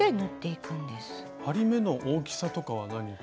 針目の大きさとかは何か。